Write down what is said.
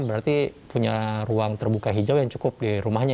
berarti punya ruang terbuka hijau yang cukup di rumahnya